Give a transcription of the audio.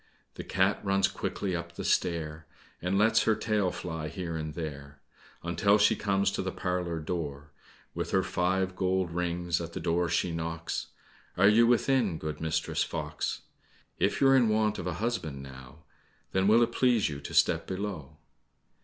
The cat runs quickly up the stair, And lets her tail fly here and there, Until she comes to the parlour door. With her five gold rings at the door she knocks, "Are you within, good Mistress Fox? If you're in want of a husband now, Then will it please you to step below?